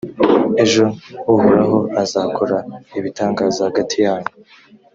ejo uhoraho azakora ibitangaza hagati yanyu.»